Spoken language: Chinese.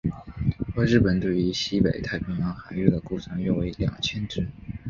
而日本对于西北太平洋海域的估算约为二千只。